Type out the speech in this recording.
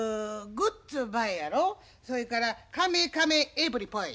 グッツバイやろそいからカメカメエブリポイ。